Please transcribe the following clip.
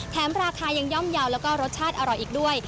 ราคายังย่อมเยาว์แล้วก็รสชาติอร่อยอีกด้วย